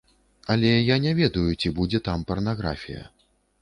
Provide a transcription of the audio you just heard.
Але я не ведаю, ці будзе там парнаграфія.